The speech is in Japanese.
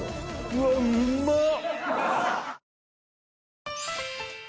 うわっうーまっ！